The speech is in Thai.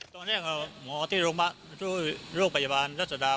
ตอนนี้หมอที่โรงพยาบาลลูกพยาบาลรัศดาบอกว่า